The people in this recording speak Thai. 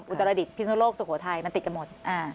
อุตรดิษฐพิสุนโลกสุโขทัยมันติดกันหมด